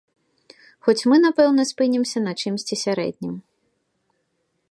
Хоць мы, напэўна, спынімся на чымсьці сярэднім.